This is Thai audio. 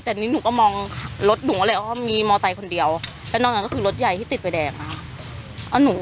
แต่นี้ก็มองรถโดยมีมอสไทยคนเดียวก็น้ำก็คือรถใหญ่ที่ติดไปแดกนะ